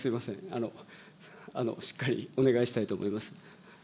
あの、しっかりお願いしたいと思います。